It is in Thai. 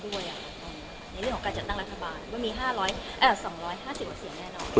ในเรื่องของการจัดตั้งรัฐบาลว่ามี๒๕๐กว่าเสียงแน่นอน